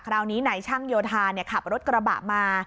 คราวนี้นายช่างโยธาขับรถกระบะมา